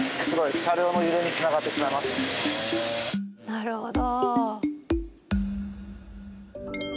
なるほど。